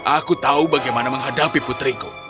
aku tahu bagaimana menghadapi putriku